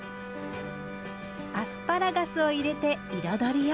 アスパラガスを入れて彩りよく。